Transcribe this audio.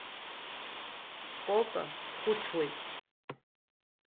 Кока дхәыцуеит.